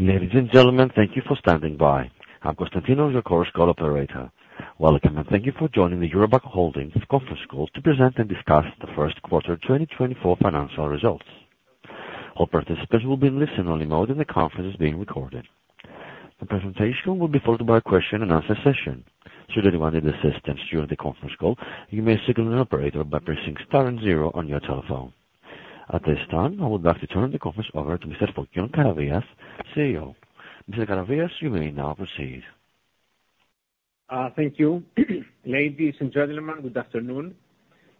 Ladies, and gentlemen, thank you for standing by. I'm Constantino, your Chorus Call Operator. Welcome, and thank you for joining the Eurobank Holdings Conference Call to Present and Discuss the First Quarter 2024 Financial Results. All participants will be in listen-only mode, and the conference is being recorded. The presentation will be followed by a question and answer session. Should anyone need assistance during the conference call, you may signal an operator by pressing star and zero on your telephone. At this time, I would like to turn the conference over to Mr. Fokion Karavias, CEO. Mr. Karavias, you may now proceed. Thank you. Ladies, and gentlemen, good afternoon,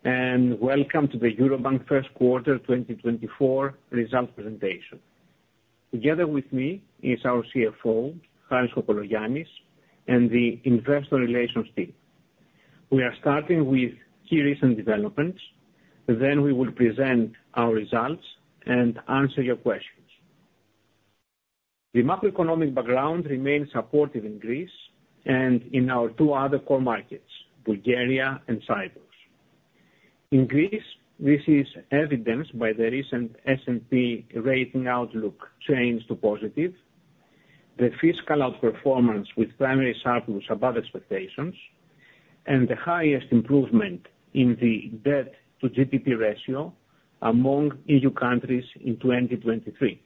and welcome to the Eurobank First Quarter 2024 Results Presentation. Together with me is our CFO, Harris Kokologiannis, and the Investor Relations team. We are starting with key recent developments, then we will present our results and answer your questions. The macroeconomic background remains supportive in Greece and in our two other core markets, Bulgaria and Cyprus. In Greece, this is evidenced by the recent S&P rating outlook change to positive, the fiscal outperformance with primary surplus above expectations, and the highest improvement in the debt to GDP ratio among EU countries in 2023.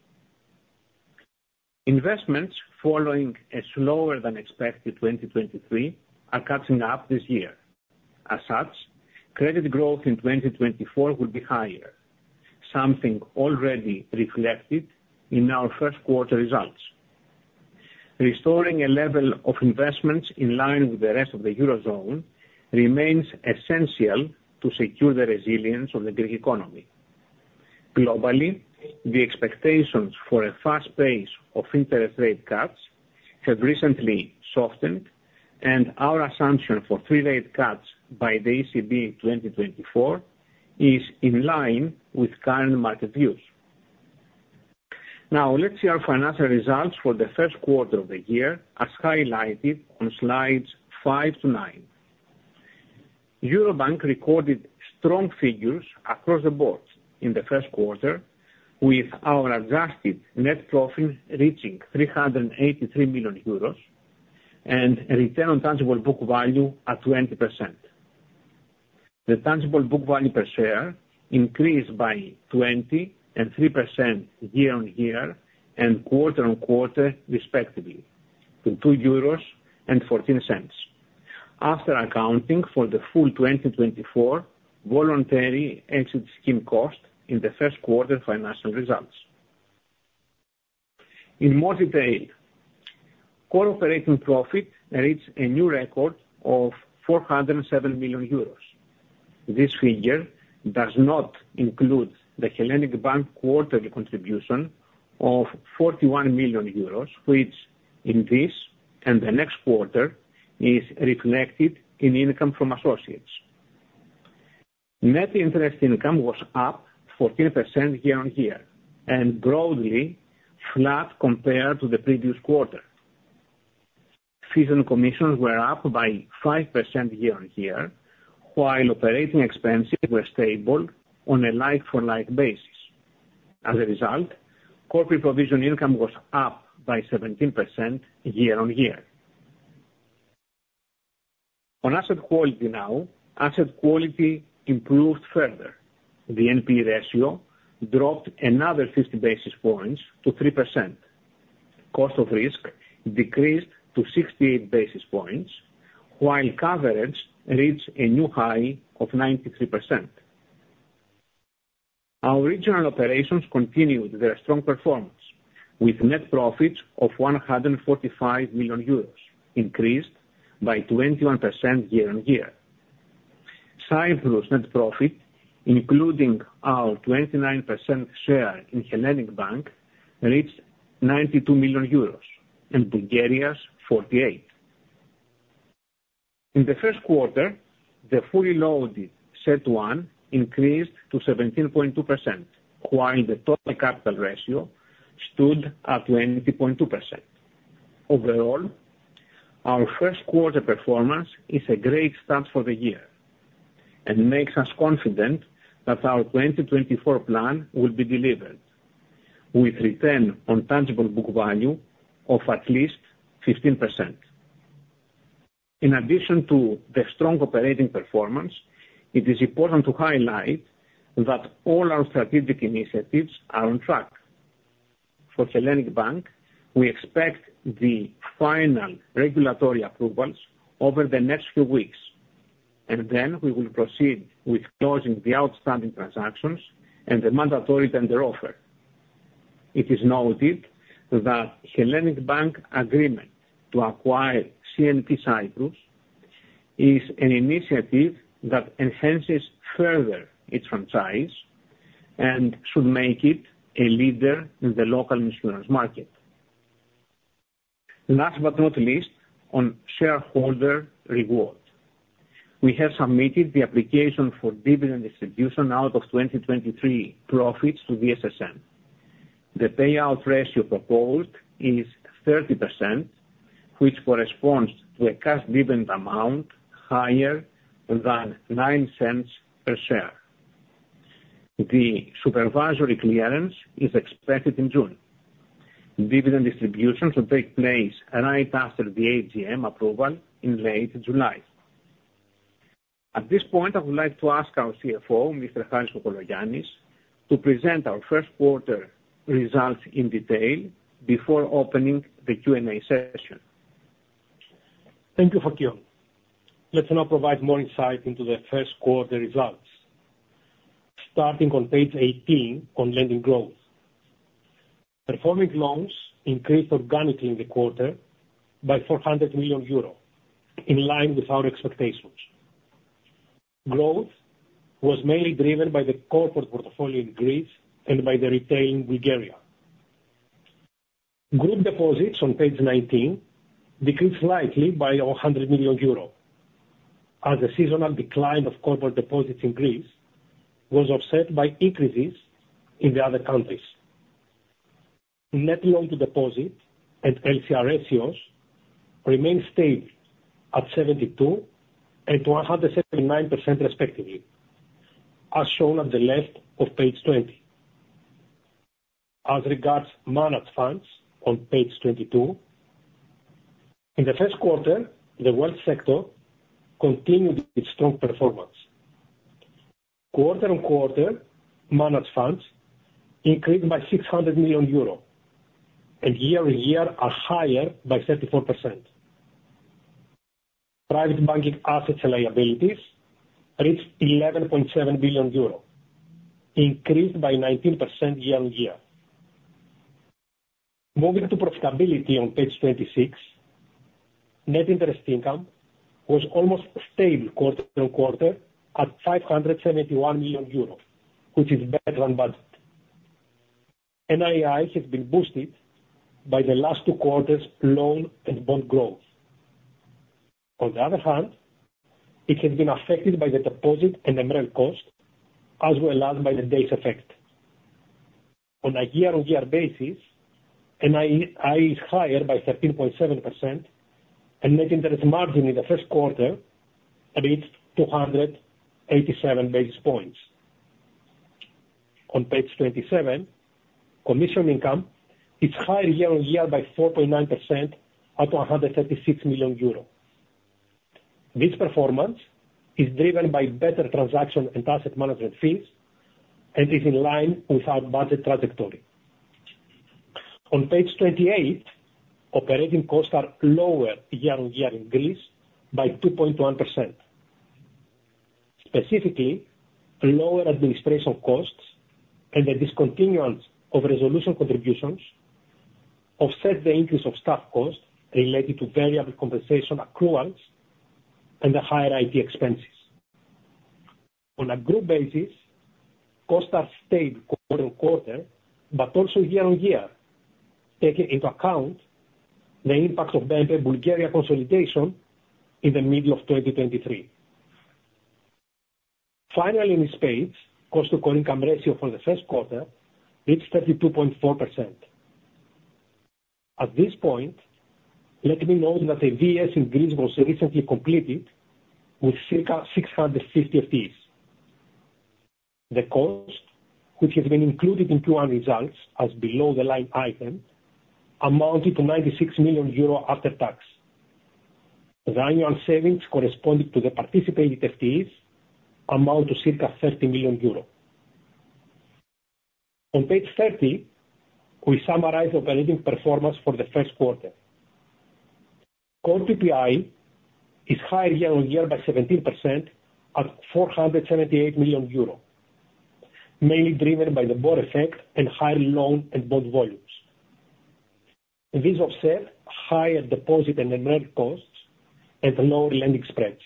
Investments following a slower than expected 2023 are catching up this year. As such, credit growth in 2024 will be higher, something already reflected in our first quarter results. Restoring a level of investments in line with the rest of the Eurozone remains essential to secure the resilience of the Greek economy. Globally, the expectations for a fast pace of interest rate cuts have recently softened, and our assumption for 3 rate cuts by the ECB in 2024 is in line with current market views. Now, let's see our financial results for the first quarter of the year, as highlighted on slides five to nine. Eurobank recorded strong figures across the board in the first quarter, with our adjusted net profit reaching 383 million euros and a return on tangible book value at 20%. The tangible book value per share increased by 23% year-on-year and quarter-on-quarter, respectively, to 2.14 euros, after accounting for the full 2024 voluntary exit scheme cost in the first quarter financial results. In more detail, core operating profit reached a new record of 407 million euros. This figure does not include the Hellenic Bank quarterly contribution of 41 million euros, which in this and the next quarter is reflected in income from associates. Net interest income was up 14% year-on-year, and broadly flat compared to the previous quarter. Fees and commissions were up by 5% year-on-year, while operating expenses were stable on a like-for-like basis. As a result, core pre-provision income was up by 17% year-on-year. On asset quality now, asset quality improved further. The NPE ratio dropped another 50 basis points to 3%. Cost of risk decreased to 68 basis points, while coverage reached a new high of 93%. Our regional operations continued their strong performance, with net profits of 145 million euros, increased by 21% year-on-year. Cyprus net profit, including our 29% share in Hellenic Bank, reached 92 million euros, and Bulgaria's 48 million. In the first quarter, the fully loaded CET1 increased to 17.2%, while the total capital ratio stood at 20.2%. Overall, our first quarter performance is a great start for the year, and makes us confident that our 2024 plan will be delivered, with return on tangible book value of at least 15%. In addition to the strong operating performance, it is important to highlight that all our strategic initiatives are on track. For Hellenic Bank, we expect the final regulatory approvals over the next few weeks, and then we will proceed with closing the outstanding transactions and the mandatory tender offer. It is noted that Hellenic Bank agreement to acquire CNP Cyprus is an initiative that enhances further its franchise and should make it a leader in the local insurance market. Last but not least, on shareholder reward. We have submitted the application for dividend distribution out of 2023 profits to the SSM. The payout ratio proposed is 30%, which corresponds to a cash dividend amount higher than 0.09 per share. The supervisory clearance is expected in June. Dividend distributions will take place right after the AGM approval in late July. At this point, I would like to ask our CFO, Mr. Harris Kokologiannis, to present our first quarter results in detail before opening the Q&A session. Thank you, Fokion. Let's now provide more insight into the first quarter results. Starting on page 18, on lending growth. Performing loans increased organically in the quarter by 400 million euro, in line with our expectations. Growth was mainly driven by the corporate portfolio in Greece and by the retail in Bulgaria. Group deposits on page 19 decreased slightly by 100 million euros, as the seasonal decline of corporate deposits in Greece was offset by increases in the other countries. Net loan to deposit and LCR ratios remain stable at 72% and 100% respectively, as shown on the left of page 20. As regards managed funds on page 22, in the first quarter, the wealth sector continued its strong performance. Quarter-on-quarter, managed funds increased by 600 million euros, and year-on-year are higher by 34%. Private banking assets and liabilities reached 11.7 billion euro, increased by 19% year-on-year. Moving to profitability on page 26, net interest income was almost stable quarter-on-quarter at 571 million euros, which is better than budget. NII has been boosted by the last two quarters' loan and bond growth. On the other hand, it has been affected by the deposit and the MREL cost, as well as by the base effect. On a year-on-year basis, NII, NII is higher by 13.7%, and net interest margin in the first quarter reached 287 basis points. On page 27, commission income is higher year-on-year by 4.9% at 136 million euro. This performance is driven by better transaction and asset management fees, and is in line with our budget trajectory. On page 28, operating costs are lower year-on-year in Greece by 2.1%. Specifically, lower administration costs and the discontinuance of resolution contributions offset the increase of staff costs related to variable compensation accruals and the higher IT expenses. On a group basis, costs are stable quarter-on-quarter, but also year-on-year, taking into account the impact of the BNP Bulgaria consolidation in the middle of 2023. Finally, in this page, cost to core income ratio for the first quarter reached 32.4%. At this point, let me note that a VES in Greece was recently completed with circa 650 FTEs. The cost, which has been included in Q1 results as below the line item, amounted to 96 million euro after tax. The annual savings corresponding to the participated FTEs amount to circa 30 million euro. On page 30, we summarize operating performance for the first quarter. Core NII is higher year-on-year by 17% at 478 million euro, mainly driven by the base effect and higher loan and bond volumes. These offset higher deposit and MREL costs and lower lending spreads.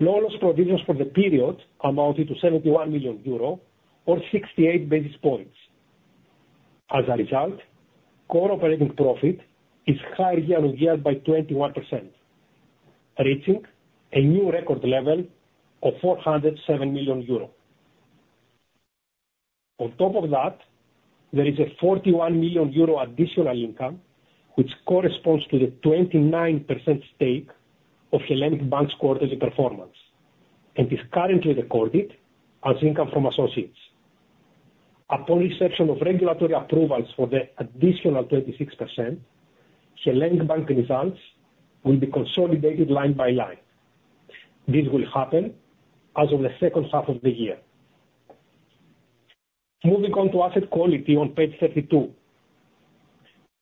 Loan loss provisions for the period amounted to 71 million euro or 68 basis points. As a result, core operating profit is higher year-on-year by 21%, reaching a new record level of 407 million euro. On top of that, there is 41 million euro additional income, which corresponds to the 29% stake of Hellenic Bank's quarterly performance and is currently recorded as income from associates. Upon reception of regulatory approvals for the additional 26%, Hellenic Bank results will be consolidated line by line. This will happen as of the second half of the year. Moving on to asset quality on page 32.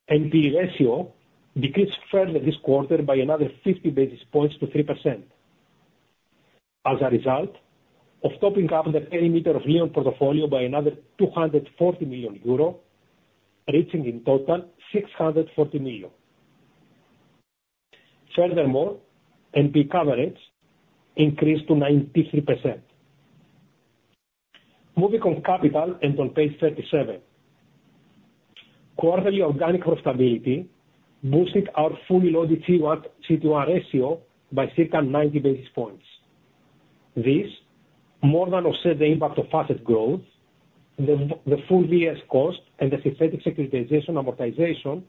NPE ratio decreased further this quarter by another 50 basis points to 3%. As a result of topping up the perimeter of loan portfolio by another 240 million euro, reaching in total 640 million. Furthermore, NPE coverage increased to 93%. Moving on capital and on page 37. Quarterly organic profitability boosted our fully loaded CET1, CET1 ratio by circa 90 basis points.... This more than offset the impact of asset growth, the full VES cost, and the synthetic securitization amortization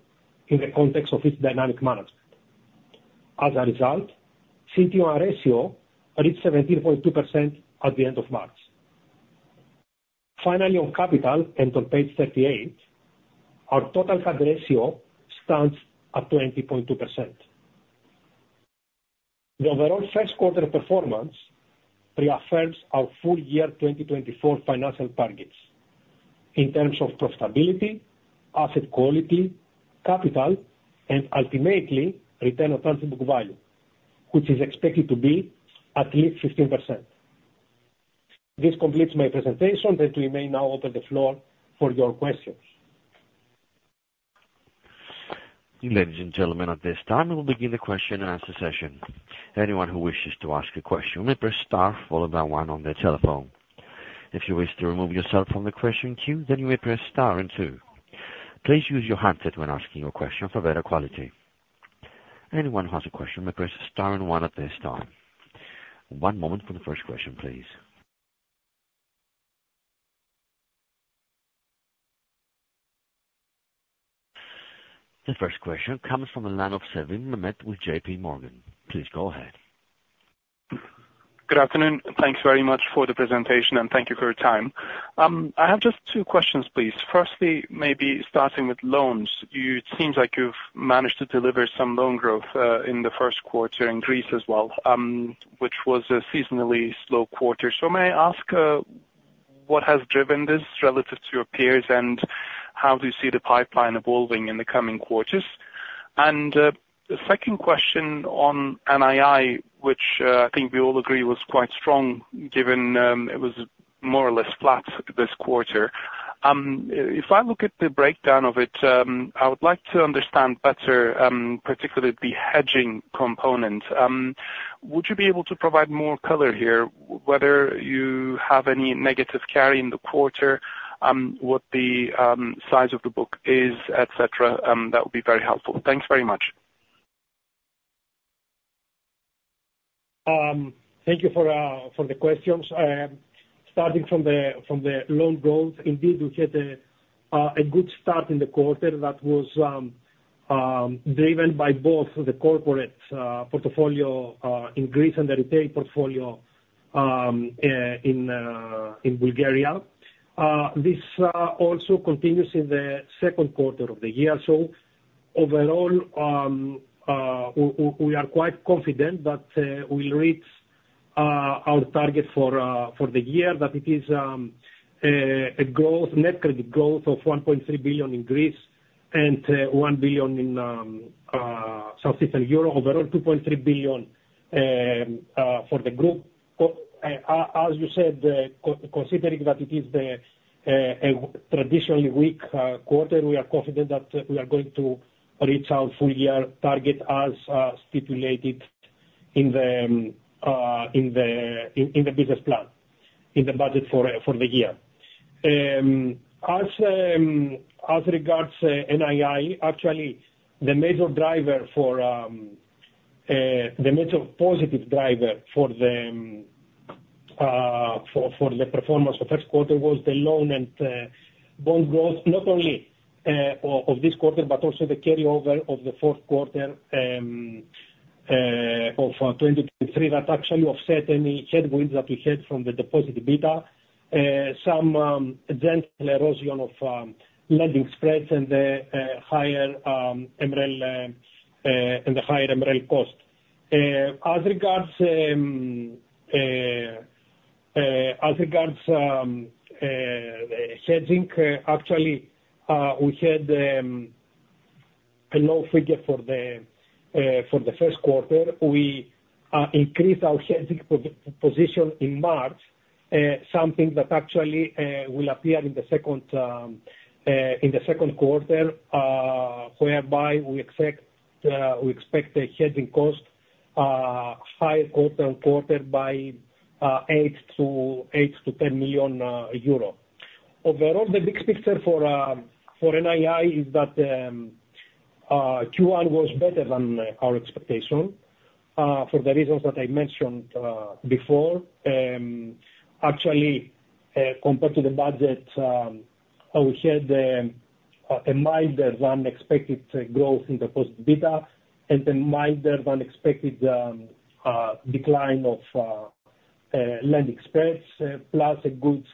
in the context of its dynamic management. As a result, CET1 ratio reached 17.2% at the end of March. Finally, on capital, and on page 38, our total capital ratio stands at 20.2%. The overall first quarter performance reaffirms our full year 2024 financial targets in terms of profitability, asset quality, capital, and ultimately Return on Tangible Book Value, which is expected to be at least 15%. This completes my presentation, that we may now open the floor for your questions. Ladies, and gentlemen, at this time, we'll begin the question and answer session. Anyone who wishes to ask a question may press star followed by one on their telephone. If you wish to remove yourself from the question queue, then you may press star and two. Please use your handset when asking your question for better quality. Anyone who has a question may press star and one at this time. One moment for the first question, please. The first question comes from the line of Mehmet Sevim with JPMorgan. Please go ahead. Good afternoon, and thanks very much for the presentation, and thank you for your time. I have just two questions, please. Firstly, maybe starting with loans, you, it seems like you've managed to deliver some loan growth in the first quarter in Greece as well, which was a seasonally slow quarter. So may I ask what has driven this relative to your peers, and how do you see the pipeline evolving in the coming quarters? And the second question on NII, which I think we all agree was quite strong, given it was more or less flat this quarter. If I look at the breakdown of it, I would like to understand better, particularly the hedging component. Would you be able to provide more color here, whether you have any negative carry in the quarter, what the size of the book is, et cetera? That would be very helpful. Thanks very much. Thank you for the questions. Starting from the loan growth, indeed, we had a good start in the quarter. That was driven by both the corporate portfolio in Greece and the retail portfolio in Bulgaria. This also continues in the second quarter of the year. So overall, we are quite confident that we will reach our target for the year. That it is a growth, net credit growth of 1.3 billion in Greece and 1 billion in Southeastern Europe, overall 2.3 billion for the group. But, as you said, considering that it is a traditionally weak quarter, we are confident that we are going to reach our full year target as stipulated in the business plan, in the budget for the year. As regards NII, actually, the major positive driver for the performance of first quarter was the loan growth. Not only of this quarter, but also the carryover of the fourth quarter of 2023. That actually offset any headwinds that we had from the deposit beta, some gentle erosion of lending spreads and the higher MREL and the higher MREL cost. As regards hedging, actually, we had a low figure for the first quarter. We increased our hedging position in March, something that actually will appear in the second quarter, whereby we expect the hedging cost higher quarter-on-quarter by 8 million-10 million euro. Overall, the big picture for NII is that Q1 was better than our expectation for the reasons that I mentioned before. Actually, compared to the budget, we had a milder than expected growth in deposit beta and a milder than expected decline of lending spreads, plus a good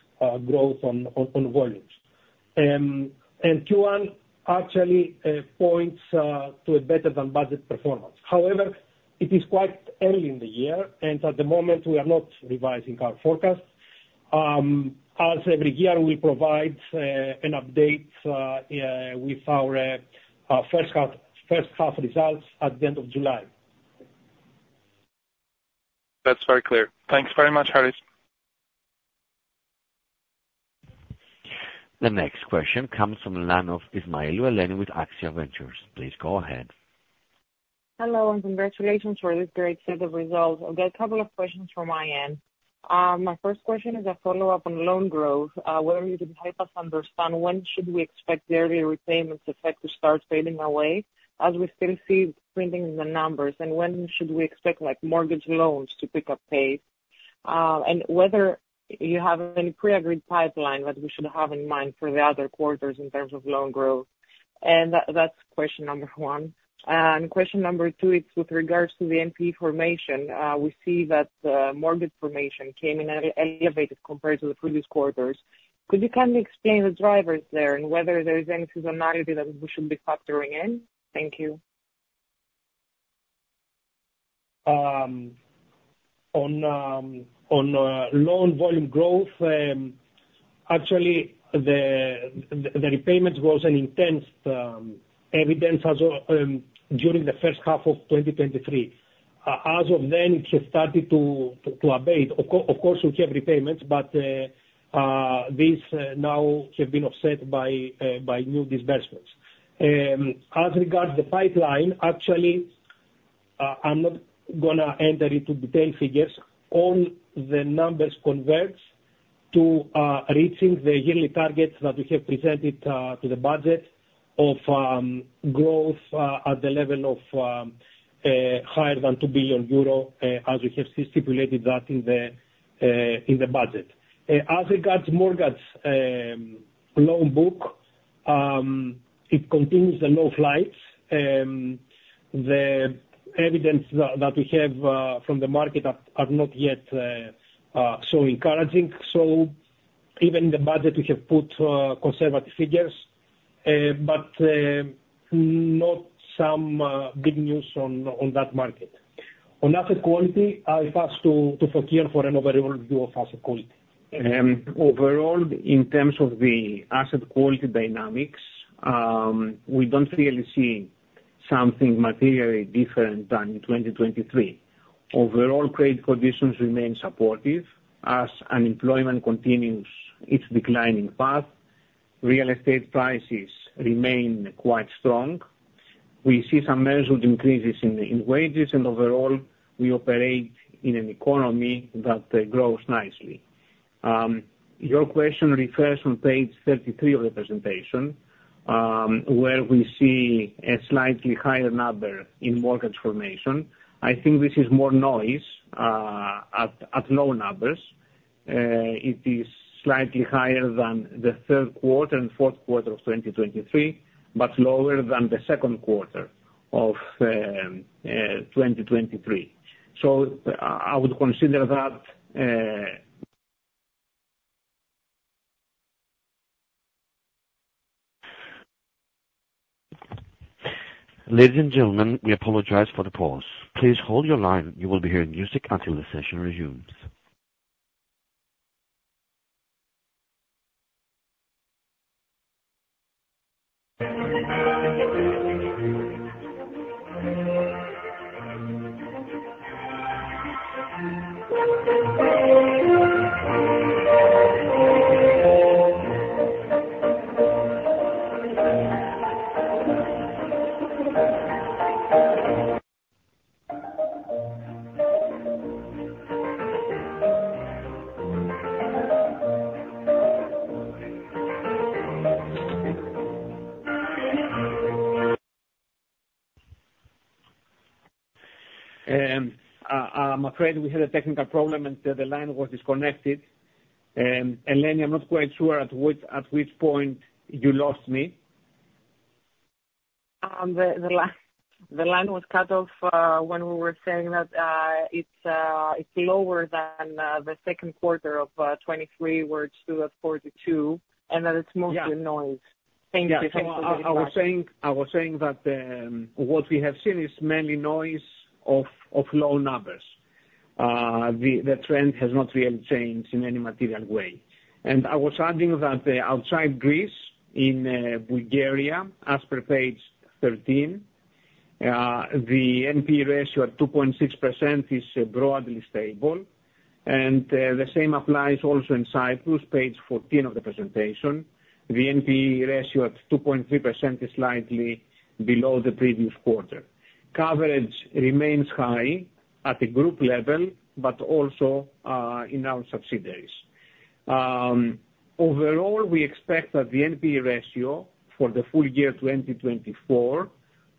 growth on volumes. And Q1 actually points to a better than budget performance. However, it is quite early in the year, and at the moment we are not revising our forecast. As every year, we provide an update with our first half results at the end of July. That's very clear. Thanks very much, Harris. The next question comes from the line of Eleni Ismailou with Axia Ventures. Please go ahead. Hello, and congratulations for this great set of results. I've got a couple of questions from my end. My first question is a follow-up on loan growth. Whether you can help us understand when should we expect the early repayments effect to start fading away, as we still see printing in the numbers? And when should we expect, like, mortgage loans to pick up pace? And whether you have any pre-agreed pipeline that we should have in mind for the other quarters in terms of loan growth? And that, that's question number one. And question number two, it's with regards to the NPE formation. We see that, mortgage formation came in elevated compared to the previous quarters. Could you kindly explain the drivers there, and whether there is any seasonality that we should be factoring in? Thank you. On loan volume growth, actually, the repayment was an intense evidence as during the first half of 2023. As of then, it has started to abate. Of course, we have repayments, but this now have been offset by new disbursements. As regards the pipeline, actually, I'm not gonna enter into detailed figures. All the numbers converge to reaching the yearly targets that we have presented to the budget of growth at the level of higher than 2 billion euro as we have stipulated that in the budget. As regards to mortgage loan book, it continues the low flights. The evidence that we have from the market are not yet so encouraging. So even in the budget, we have put conservative figures, but not some good news on that market. On asset quality, I pass to Fokion for an overall view of asset quality. Overall, in terms of the asset quality dynamics, we don't really see something materially different than in 2023. Overall, credit conditions remain supportive as unemployment continues its declining path. Real estate prices remain quite strong. We see some measured increases in wages, and overall, we operate in an economy that grows nicely. Your question refers on page 33 of the presentation, where we see a slightly higher number in mortgage formation. I think this is more noise at low numbers. It is slightly higher than the third quarter and fourth quarter of 2023, but lower than the second quarter of 2023. So I would consider that. Ladies and gentlemen, we apologize for the pause. Please hold your line, you will be hearing music until the session resumes. I'm afraid we had a technical problem, and the line was disconnected. Eleni, I'm not quite sure at which point you lost me. The line was cut off when we were saying that it's lower than the second quarter of 2023, where it's 2.42, and that it's mostly- Yeah. Thank you. Yeah. Thank you very much. I was saying, I was saying that what we have seen is mainly noise of low numbers. The trend has not really changed in any material way. And I was adding that outside Greece, in Bulgaria, as per page 13, the NPE ratio at 2.6% is broadly stable. And the same applies also in Cyprus, page 14 of the presentation. The NPE ratio at 2.3% is slightly below the previous quarter. Coverage remains high at the group level, but also in our subsidiaries. Overall, we expect that the NPE ratio for the full year 2024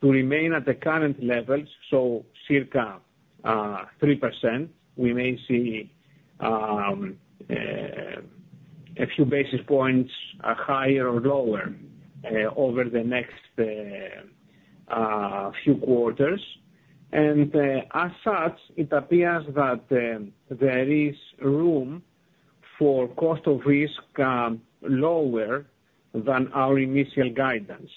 to remain at the current levels, so circa 3%. We may see a few basis points higher or lower over the next few quarters. As such, it appears that there is room for cost of risk lower than our initial guidance.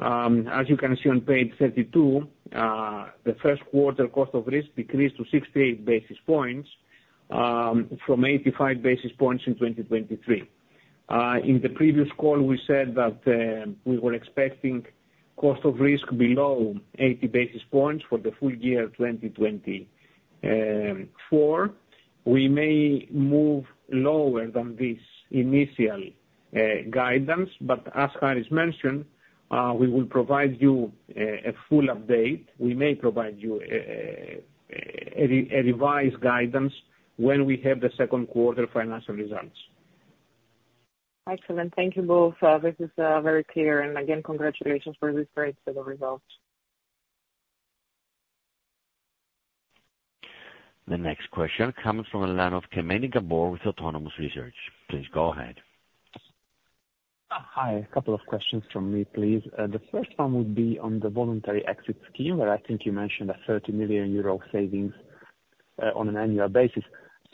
As you can see on page 32, the first quarter cost of risk decreased to 68 basis points from 85 basis points in 2023. In the previous call, we said that we were expecting cost of risk below 80 basis points for the full year 2024. We may move lower than this initial guidance, but as Harris mentioned, we will provide you a full update. We may provide you a revised guidance when we have the second quarter financial results. ... Excellent. Thank you both. This is very clear, and again, congratulations for this great set of results. The next question comes from the line of Gabor Kemeny with Autonomous Research. Please go ahead. Hi. A couple of questions from me, please. The first one would be on the voluntary exit scheme, where I think you mentioned 30 million euro savings on an annual basis.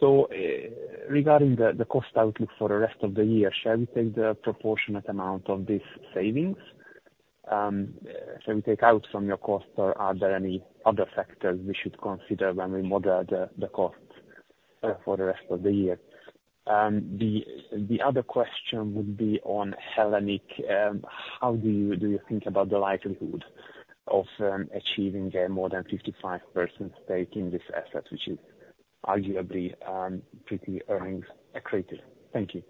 So, regarding the cost outlook for the rest of the year, shall we take the proportionate amount of this savings? Shall we take out from your costs, or are there any other factors we should consider when we model the cost for the rest of the year? The other question would be on Hellenic. How do you think about the likelihood of achieving a more than 55% stake in this asset, which is arguably pretty earnings accretive? Thank you.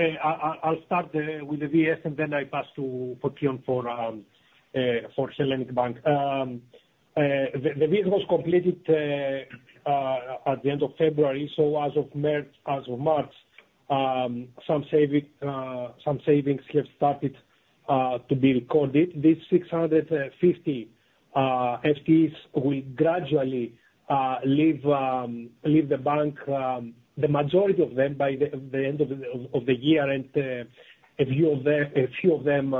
I'll start with the VES, and then I pass to Fokion for Hellenic Bank. The deal was completed at the end of February, so as of March, some savings have started to be recorded. These 650 FPs will gradually leave the bank, the majority of them by the end of the year, and a few of them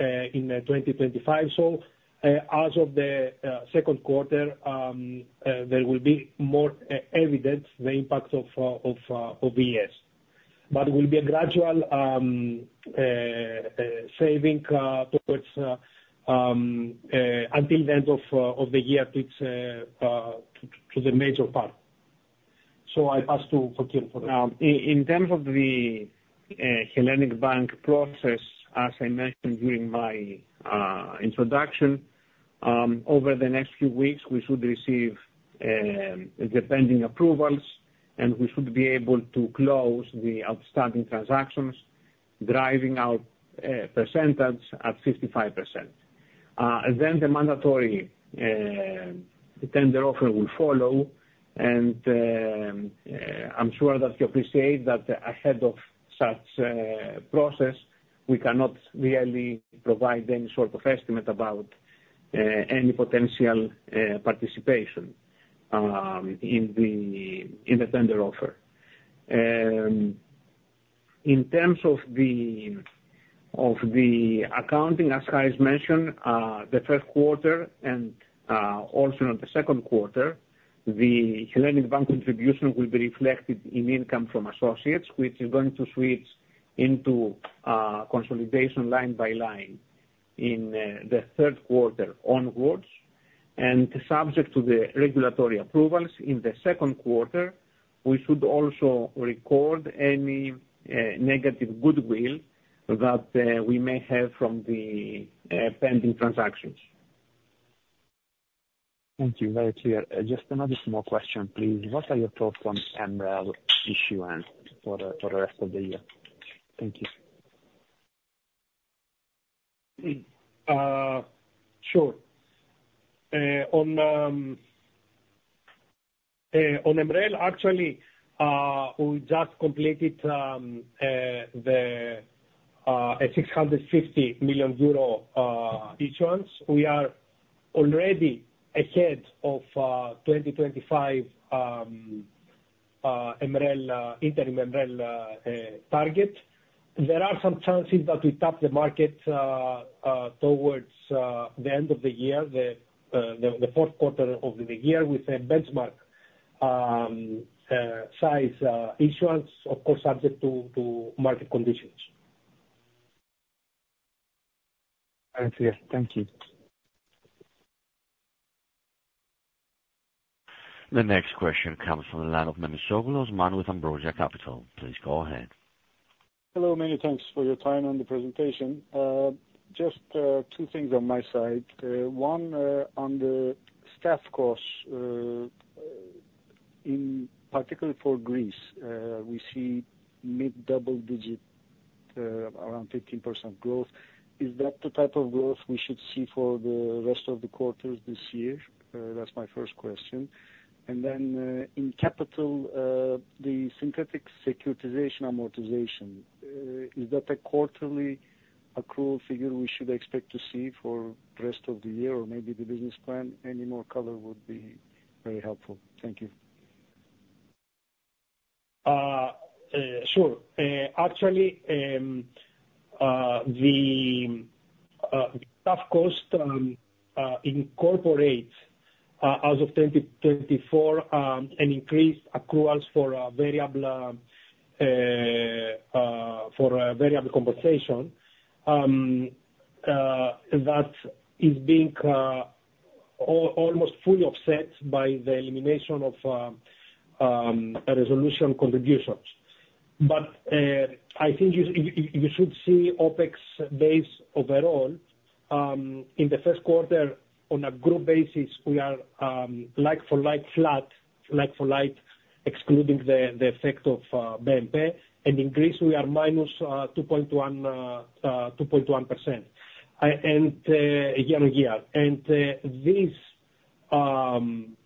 in 2025. So, as of the second quarter, there will be more evident the impact of VES. But it will be a gradual saving towards until the end of the year to the major part. So I pass to Fokion for now. In terms of the Hellenic Bank process, as I mentioned during my introduction, over the next few weeks, we should receive the pending approvals, and we should be able to close the outstanding transactions, driving our percentage at 55%. Then the mandatory tender offer will follow, and I'm sure that you appreciate that ahead of such process, we cannot really provide any sort of estimate about any potential participation in the tender offer. In terms of the accounting, as Kai has mentioned, the first quarter and also in the second quarter, the Hellenic Bank contribution will be reflected in income from associates, which is going to switch into consolidation line by line in the third quarter onwards. Subject to the regulatory approvals in the second quarter, we should also record any negative goodwill that we may have from the pending transactions. Thank you. Very clear. Just another small question, please. What are your thoughts on MREL issuance for the rest of the year? Thank you. Sure. On MREL, actually, we just completed a 650 million euro issuance. We are already ahead of 2025 MREL interim MREL target. There are some chances that we top the market towards the end of the year, the fourth quarter of the year, with a benchmark size issuance, of course, subject to market conditions. Very clear. Thank you. The next question comes from the line of Menis Kouloumannis with Ambrosia Capital. Please go ahead. Hello, many thanks for your time and the presentation. Just, two things on my side. One, on the staff costs, in particular for Greece, we see mid-double digit, around 15% growth. Is that the type of growth we should see for the rest of the quarters this year? That's my first question. And then, in capital, the synthetic securitization amortization, is that a quarterly accrual figure we should expect to see for rest of the year, or maybe the business plan? Any more color would be very helpful. Thank you. Sure. Actually, the staff cost incorporates, as of 2024, an increased accruals for variable compensation. That is being almost fully offset by the elimination of resolution contributions. But, I think you should see OpEx base overall, in the first quarter, on a group basis, we are like for like, flat, like for like, excluding the effect of BNP. And in Greece, we are minus 2.1%, year-on-year. And, this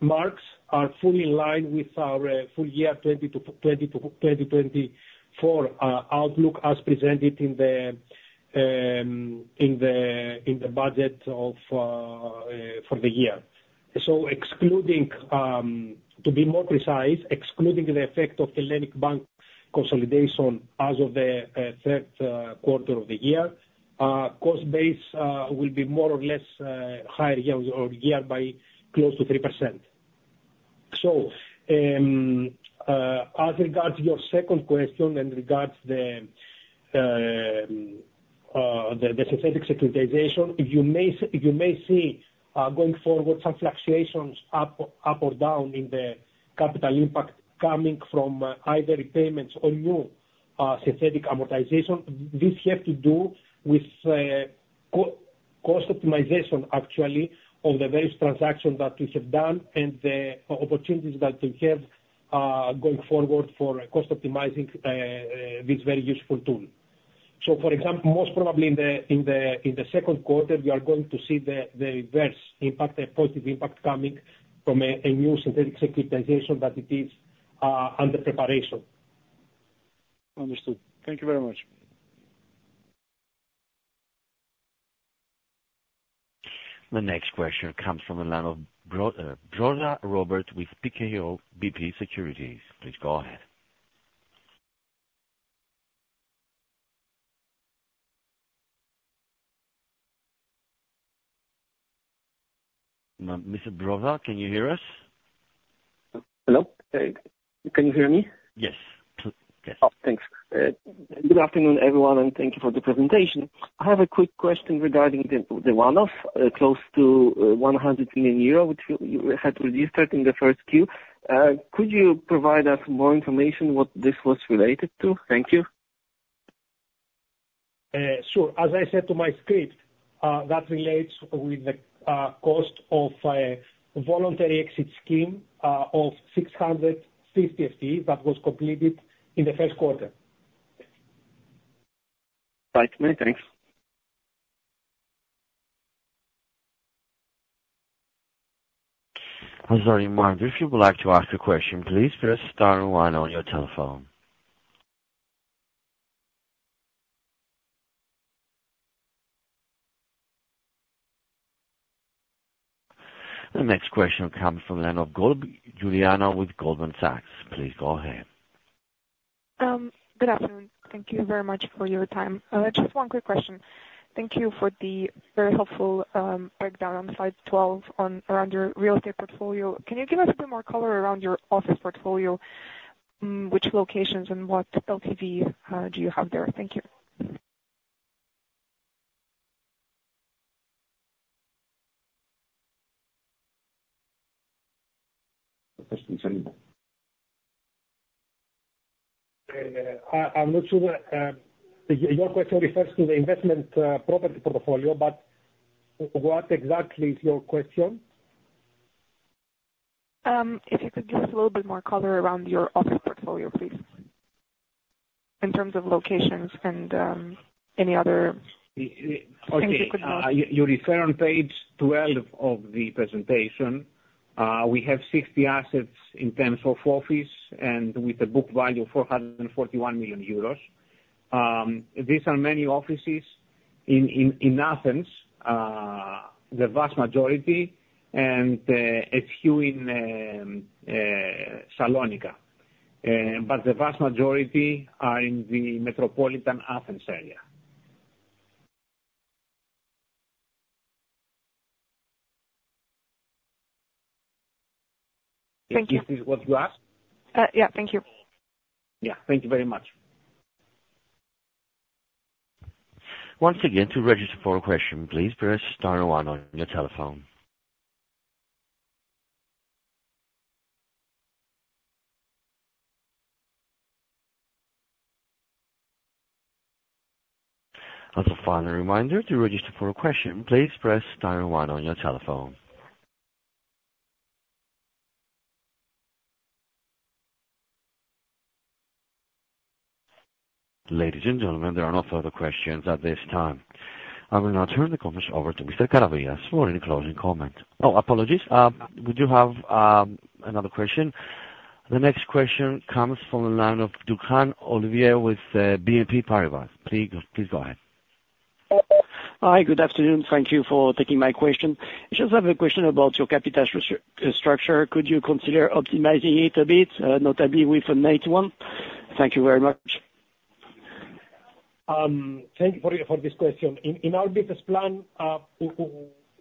marks are fully in line with our full year 2024 outlook as presented in the budget for the year. So excluding, to be more precise, excluding the effect of Hellenic Bank consolidation as of the third quarter of the year, cost base will be more or less higher year-over-year by close to 3%. So, as regards your second question, in regards the synthetic securitization, you may see going forward some fluctuations up or down in the capital impact coming from either repayments or new synthetic amortization. This has to do with cost optimization, actually, of the various transactions that we have done and the opportunities that we have going forward for cost optimizing this very useful tool. So, for example, most probably in the second quarter, we are going to see the reverse impact, a positive impact coming from a new synthetic securitization, but it is under preparation. Understood. Thank you very much. The next question comes from the line of Robert Brzoza with PKO BP Securities. Please go ahead. Mr. Brzoza, can you hear us? Hello? Can you hear me? Yes. Yes. Oh, thanks. Good afternoon, everyone, and thank you for the presentation. I have a quick question regarding the one-off close to 100 million euro, which you had registered in the first quarter. Could you provide us more information what this was related to? Thank you. Sure. As I said to my script, that relates with the cost of voluntary exit scheme of 650 FTE that was completed in the first quarter. Thanks very much. Thanks. I'm sorry, Marge, if you would like to ask a question, please press star one on your telephone. The next question comes from the line of Juliana with Goldman Sachs. Please go ahead. Good afternoon. Thank you very much for your time. Just one quick question. Thank you for the very helpful breakdown on slide 12 around your real estate portfolio. Can you give us a bit more color around your office portfolio, which locations and what LTV do you have there? Thank you. anymore. I'm not sure your question refers to the investment property portfolio, but what exactly is your question? If you could give us a little bit more color around your office portfolio, please. In terms of locations and, any other- Y-y- Things you could not- Okay, you refer on page 12 of the presentation. We have 60 assets in terms of office and with a book value of 441 million euros. These are many offices in Athens, the vast majority, and a few in Thessaloniki. But the vast majority are in the metropolitan Athens area. Thank you. Is this what you asked? Yeah. Thank you. Yeah. Thank you very much. Once again, to register for a question, please press star one on your telephone. As a final reminder, to register for a question, please press star one on your telephone. Ladies, and gentlemen, there are no further questions at this time. I will now turn the conference over to Mr. Karavias for any closing comment. Oh, apologies. We do have another question. The next question comes from the line of Duncan Olivier with BNP Paribas. Please, please go ahead. Hi, good afternoon. Thank you for taking my question. I just have a question about your capital structure: Could you consider optimizing it a bit, notably with an AT1? Thank you very much. Thank you for, for this question. In our business plan, we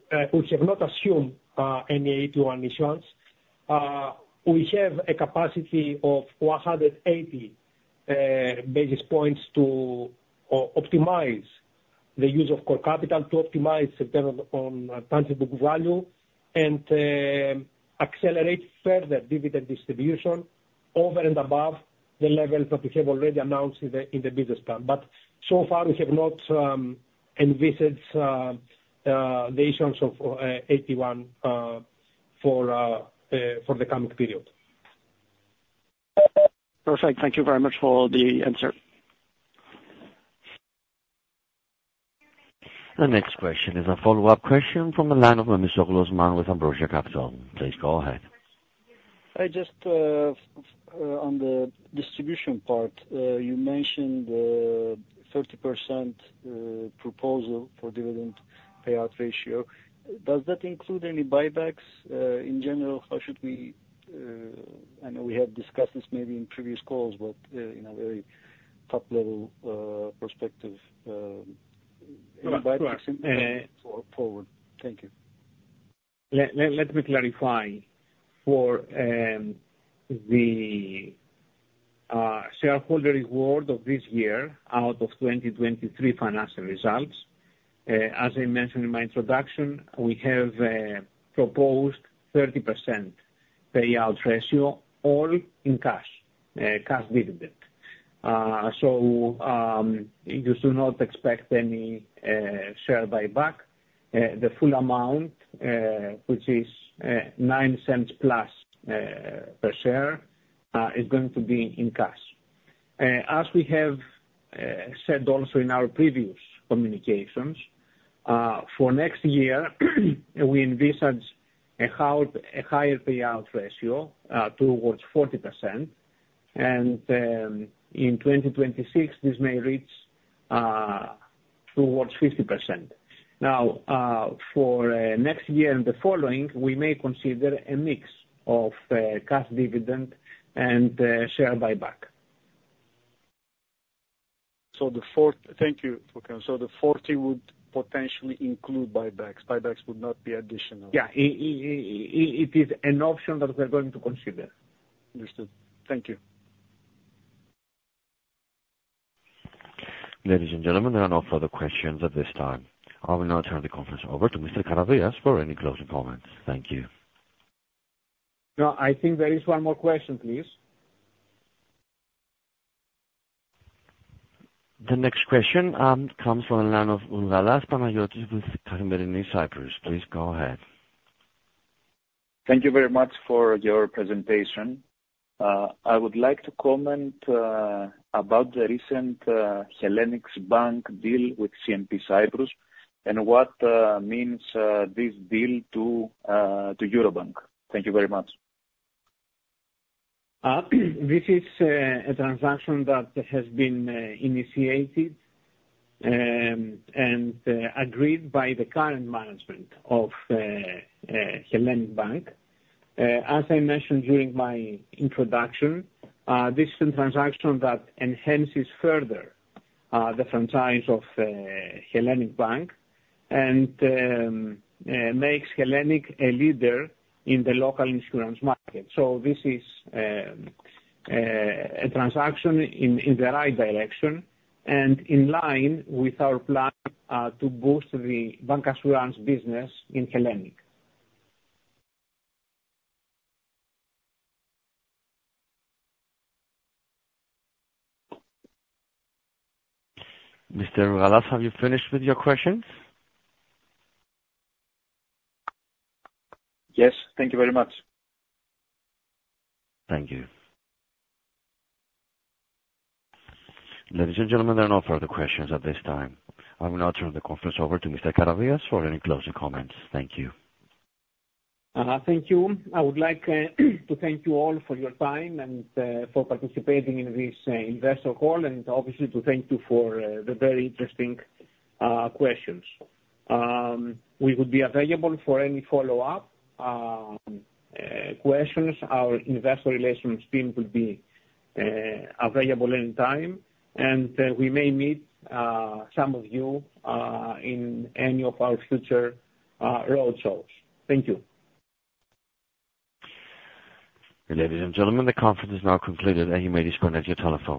have not assumed any AT1 issuance. We have a capacity of 180 basis points to optimize the use of core capital, to optimize return on tangible book value, and accelerate further dividend distribution over and above the levels that we have already announced in the business plan. But so far, we have not envisaged the issuance of AT1 for the coming period. Perfect. Thank you very much for the answer. The next question is a follow-up question from the line of Dimitris Manalis, Ambrosia Capital. Please go ahead. I just, on the distribution part, you mentioned, 30% proposal for dividend payout ratio. Does that include any buybacks? In general, how should we... I know we have discussed this maybe in previous calls, but, in a very top level, perspective, buyback- Correct. forward. Thank you. Let me clarify. For the shareholder reward of this year, out of 2023 financial results, as I mentioned in my introduction, we have proposed 30% payout ratio, all in cash, cash dividend. So, you should not expect any share buyback. The full amount, which is, 0.09+ per share, is going to be in cash. As we have said also in our previous communications, for next year, we envisage a higher payout ratio, towards 40%, and, in 2026, this may reach towards 50%. Now, for next year and the following, we may consider a mix of, cash dividend and, share buyback. Thank you. So the 40 would potentially include buybacks? Buybacks would not be additional. Yeah. It is an option that we're going to consider. Understood. Thank you. Ladies, and gentlemen, there are no further questions at this time. I will now turn the conference over to Mr. Karavias for any closing comments. Thank you. No, I think there is one more question, please. The next question comes from the line of Panagiotis Gavalas with Cyprus. Please go ahead. Thank you very much for your presentation. I would like to comment about the recent Hellenic Bank deal with CNP Cyprus, and what means this deal to Eurobank? Thank you very much. This is a transaction that has been initiated and agreed by the current management of Hellenic Bank. As I mentioned during my introduction, this is a transaction that enhances further the franchise of Hellenic Bank and makes Hellenic a leader in the local insurance market. So this is a transaction in the right direction and in line with our plan to boost the bancassurance business in Hellenic. Mr. Gavalas, have you finished with your questions? Yes. Thank you very much. Thank you. Ladies, and gentlemen, there are no further questions at this time. I will now turn the conference over to Mr. Karavias for any closing comments. Thank you. Thank you. I would like to thank you all for your time and for participating in this investor call, and obviously to thank you for the very interesting questions. We would be available for any follow-up questions. Our investor relations team would be available any time, and we may meet some of you in any of our future roadshows. Thank you. Ladies, and gentlemen, the conference is now concluded, and you may disconnect your telephones.